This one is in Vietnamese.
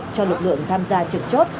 cho lực lượng tham gia trực chốt